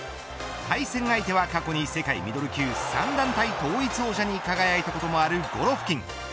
対戦相手は過去に世界ミドル級３団体統一王者に輝いたこともあるゴロフキン。